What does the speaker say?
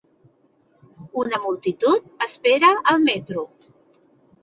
Una multitud espera el metro.